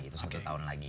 itu satu tahun lagi